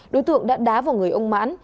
đối tượng đã đá vào người ông mãn